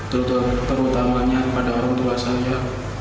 terutamanya kepada orang tua saya